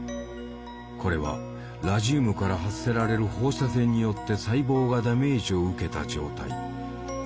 これはラジウムから発せられる放射線によって細胞がダメージを受けた状態。